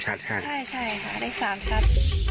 ใช่ใช่เลขสามชัด